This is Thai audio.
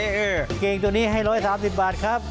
กางเกงตัวนี้ให้๑๓๐บาทครับ